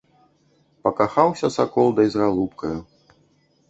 Пакахаўся сакол дай з галубкаю.